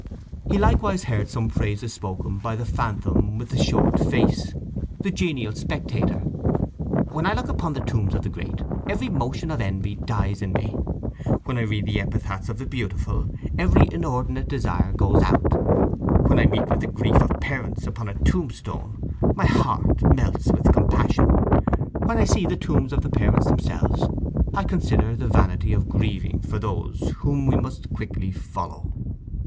He likewise heard some phrases spoken by the phantom with the short face, the genial Spectator: "When I look upon the tombs of the great, every motion of envy dies in me; when I read the epitaphs of the beautiful, every inordinate desire goes out; when I meet with the grief of parents upon a tombstone, my heart melts with compassion; when I see the tombs of the parents themselves, I consider the vanity of grieving for those whom we must quickly follow."